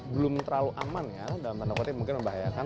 belum terlalu aman ya dalam pandang kondisi yang mungkin membahayakan